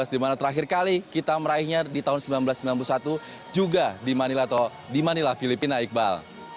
di mana terakhir kali kita meraihnya di tahun seribu sembilan ratus sembilan puluh satu juga di manila filipina iqbal